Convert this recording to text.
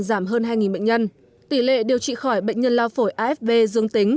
giảm hơn hai bệnh nhân tỷ lệ điều trị khỏi bệnh nhân lao phổi afv dương tính